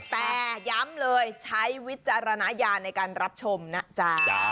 แต่ย้ำเลยใช้วิจารณญาณในการรับชมนะจ๊ะ